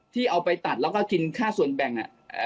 ที่เอาไปตัดแล้วก็กินค่าส่วนแบ่ง